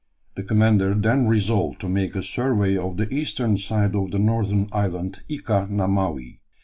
The commander then resolved to make a survey of the eastern side of the northern island Ika Na Mawi.